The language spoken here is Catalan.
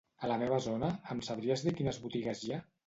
A la meva zona, em sabries dir quines botigues hi ha?